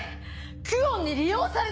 久遠に利用されて。